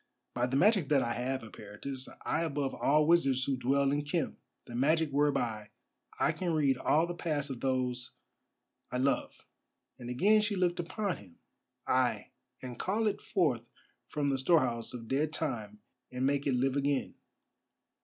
"By the magic that I have, Eperitus, I above all wizards who dwell in Khem, the magic whereby I can read all the past of those—I love," and again she looked upon him; "ay, and call it forth from the storehouse of dead time and make it live again.